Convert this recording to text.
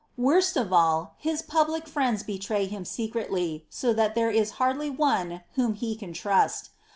Worst of all. His public friends betray Him secretly, so that there is hardly one whom He can trust.